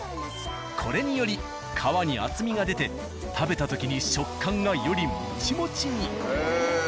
これにより皮に厚みが出て食べた時に食感がよりモチモチに。